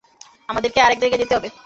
আমাদেরকে আর এক জায়গায় যেতে হবে।